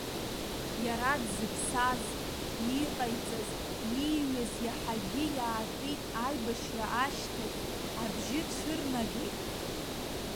Иара дзыԥсаз, иҟаиҵаз, ииҩыз иаҳагьы иаатит аибашьра ашьҭахь, абжьы цәырнагеит.